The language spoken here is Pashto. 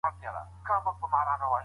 ډېره ډوډۍ ماڼۍ ته یوړل سوه.